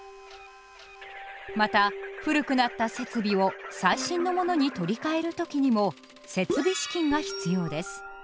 また古くなった設備を最新のものに取り替える時にも設備資金が必要です。